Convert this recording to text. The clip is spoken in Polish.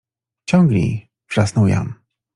— Ciągnij! — wrzasnął Jan.